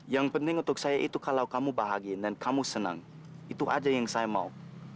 yang penting untuk saya itu kalau kamu bahagia dan kamu senang itu aja yang saya mau